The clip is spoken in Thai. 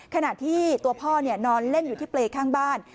ขณะที่ตัวพ่อนอนเล่นอยู่ที่เปรย์ข้างบ้าน